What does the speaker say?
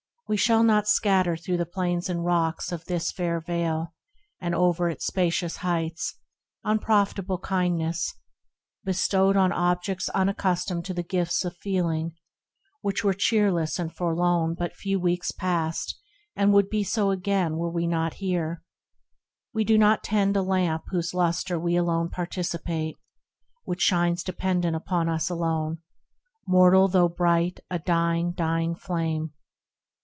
We shall not scatter through the plains and rocks Of this fair Vale, and o'er its spacious heights, Unprofitable kindliness, bestowed On objects unaccustomed to the gifts Of feeling, which were cheerless and forlorn But few weeks past and would be so again Were we not here ; we do not tend a lamp Whose lustre we alone participate, Which shines dependent upon us alone, Mortal though bright, a dying, dying flame.